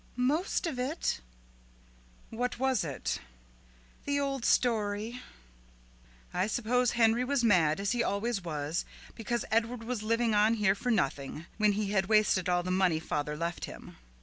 "Most of it." "What was it?" "The old story." "I suppose Henry was mad, as he always was, because Edward was living on here for nothing, when he had wasted all the money father left him."